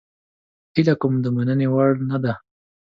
هیله کوم د مننې وړ نه ده